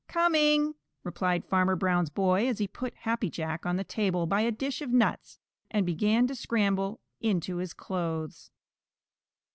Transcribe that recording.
"Coming!" replied Farmer Brown's boy as he put Happy Jack on the table by a dish of nuts and began to scramble into his clothes.